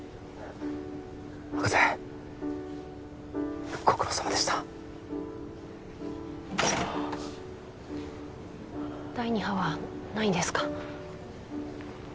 博士ご苦労さまでした第二波はないんですか？